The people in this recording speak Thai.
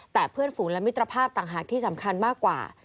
แต่เพื่อนฝูงและมิตรภาพต่างหากที่สำคัญมากกว่า